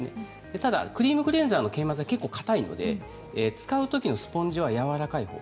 ただクリームクレンザーの研磨剤が結構かたいので使うときのスポンジはやわらかいもの